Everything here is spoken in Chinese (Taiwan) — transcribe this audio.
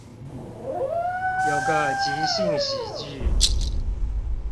有個即興喜劇